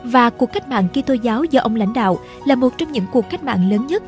và cuộc cách mạng kỹ tô giáo do ông lãnh đạo là một trong những cuộc cách mạng lớn nhất